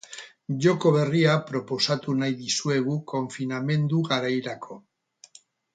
Joko berria proposatu nahi dizuegu konfinamendu garairako.